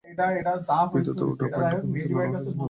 দ্বিতীয়ত, ওটা পাইন কোন ছিল না, ওটা ছিল পাইন নাট।